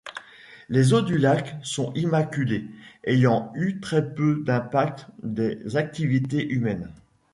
Les eaux du lac sont immaculées, ayant eu très peu d'impact des activités humaines.